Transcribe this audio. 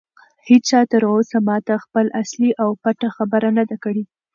هیچا تر اوسه ماته خپله اصلي او پټه خبره نه ده کړې.